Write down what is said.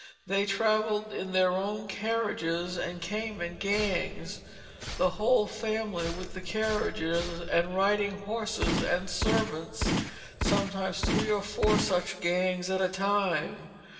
They travelled in their own carriages and came in gangs, the whole family with carriage and riding horses and servants, sometimes three or four such gangs at a time.